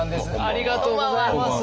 ありがとうございます。